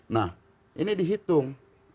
nah ini dihitung